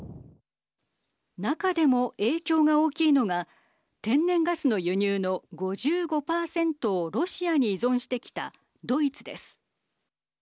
中でも影響が大きいのが天然ガスの輸入の５５％をロシアに依存してきたドイツです。